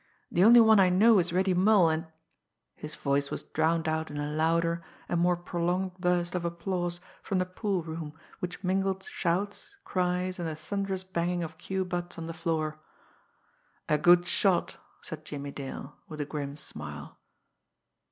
The only one I know is Reddy Mull, and " His voice was drowned out in a louder and more prolonged burst of applause from the pool room, which mingled shouts, cries and the thunderous banging of cue butts on the floor. "A good shot!" said Jimmie Dale, with a grim smile.